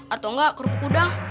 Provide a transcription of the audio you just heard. atau enggak kerupuk udang